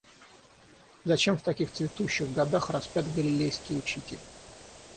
Зачем в таких же цветущих годах распят Галилейский учитель?